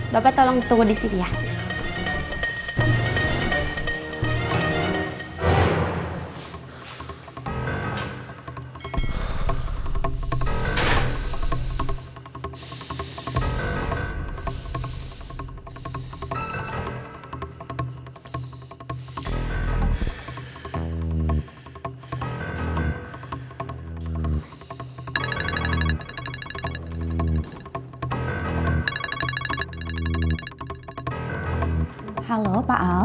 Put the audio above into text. saya akan segera informasiin ke ibunya pak renny